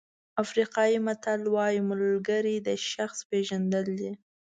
افریقایي متل وایي ملګري د شخص پېژندل دي.